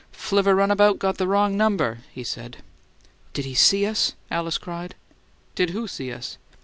"Flivver runabout got the wrong number!" he said. "Did he SEE us?" Alice cried. "Did who see us?"